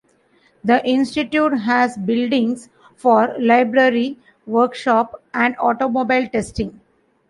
The institute has buildings for library, workshop, and automobile testing.